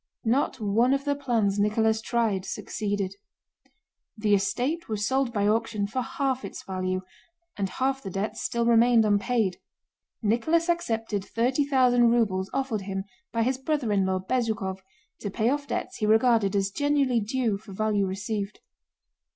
Not one of the plans Nicholas tried succeeded; the estate was sold by auction for half its value, and half the debts still remained unpaid. Nicholas accepted thirty thousand rubles offered him by his brother in law Bezúkhov to pay off debts he regarded as genuinely due for value received.